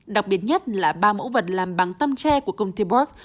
đặc biệt nhất là ba mẫu vật làm bằng tăm tre của công ty borg